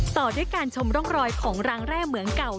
ต่อด้วยการชมร่องรอยของรางแร่เหมืองเก่า